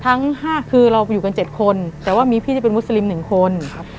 ทั้งห้าคือเราอยู่กันเจ็ดคนแต่ว่ามีพี่จะเป็นมุสลิมหนึ่งคนครับ